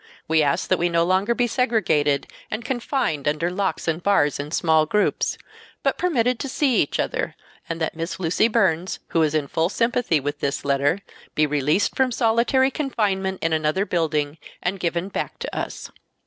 We ask that we no longer be segregated and confined under locks and bars in small groups, but permitted to see each other, and that Miss Lucy Burns, who is in full sympathy with this letter, be released from solitary confinement in another building and given back to us.